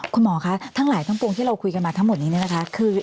คุณหมอคะทั้งหลายทั้งปวงที่เราคุยกันมาทั้งหมดนี้เนี่ยนะคะ